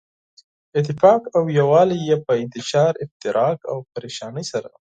اتفاق او يو والی ئي په انتشار، افتراق او پريشانۍ سره